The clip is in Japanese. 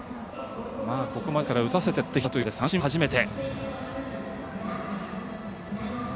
ここまでは打たせてとってきた中で三振は初めて。